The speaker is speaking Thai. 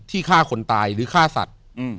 ที่ค่าคนตายหรือค่าสัตว์